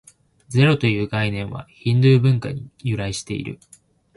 ゼロという概念は、ヒンドゥー文化に由来している。